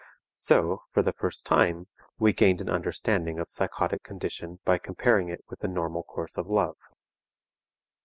So, for the first time, we gained an understanding of psychotic condition by comparing it with the normal course of love.